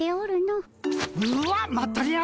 うわっまったり屋。